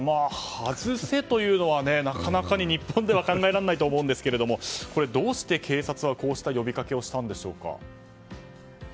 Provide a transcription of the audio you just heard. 外せというのはなかなか日本では考えられないと思うんですがどうして警察はこうした呼びかけをしたんでしょうか。